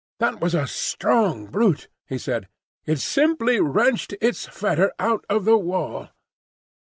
"That was a strong brute," he said. "It simply wrenched its fetter out of the wall."